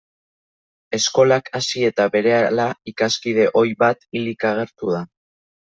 Eskolak hasi eta berehala, ikaskide ohi bat hilik agertuko da.